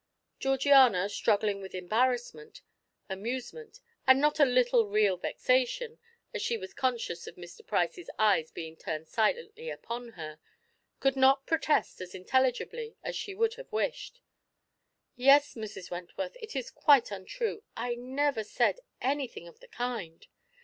Georgiana, struggling with embarrassment, amusement and not a little real vexation, as she was conscious of Mr. Price's eyes being turned silently upon her, could not protest as intelligibly as she would have wished. "Yes, Mrs. Wentworth, it is quite untrue I never said anything of the kind.